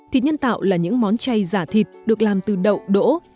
thịt nhân tạo là những món chay giả thịt được làm từ đậu đỗ